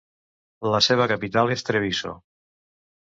La seva capital és Treviso.